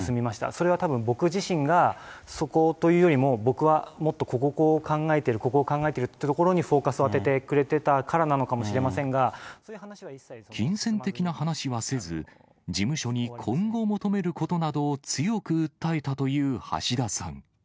それはたぶん、僕自身が、そこというよりも、僕はもっとここをこう考えてる、ここをこう考えてるというところにフォーカスを当ててくれてたか金銭的な話はせず、事務所に今後を求めることなどを強く訴えたという橋田さん。